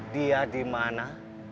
dia di mana